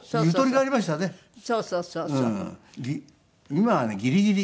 今はねギリギリ。